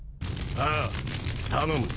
ああ頼む。